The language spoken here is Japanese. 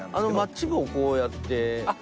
マッチ棒をこうやってねえ。